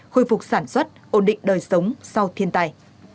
khôi phục sản xuất ổn định đời sống sau thiên tài